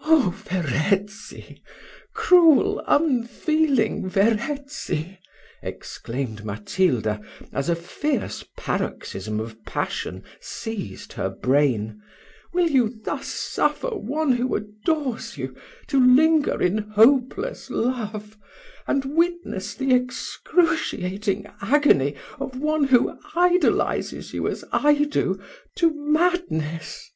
"Oh! Verezzi cruel, unfeeling Verezzi!" exclaimed Matilda, as a fierce paroxysm of passion seized her brain "will you thus suffer one who adores you, to linger in hopeless love, and witness the excruciating agony of one who idolises you, as I do, to madness?"